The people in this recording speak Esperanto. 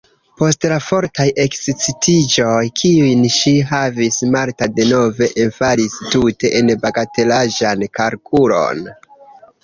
Post la fortaj ekscitiĝoj, kiujn ŝi havis, Marta denove enfalis tute en bagatelaĵan kalkulon.